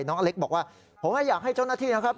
น้องอเล็กบอกว่าผมอยากให้เจ้าหน้าที่นะครับ